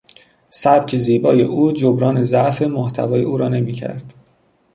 سبک زیبای او جبران ضعف محتوای او را نمیکرد.